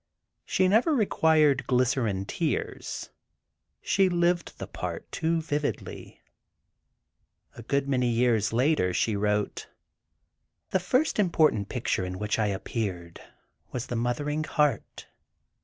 She never required "glycerine tears"—she lived the part too vividly. A good many years later, she wrote: "The first important picture in which I appeared was 'The Mothering Heart.